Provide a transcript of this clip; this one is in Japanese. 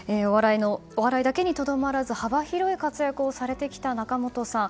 お笑いだけにとどまらず幅広い活躍をされてきた仲本さん。